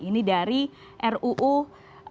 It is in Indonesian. ini dari ruu atau revisi undang undang kpk